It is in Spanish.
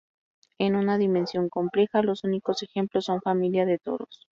En una dimensión compleja, los únicos ejemplos son familia de toros.